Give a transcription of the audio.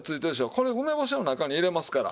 これ梅干しを中に入れますから。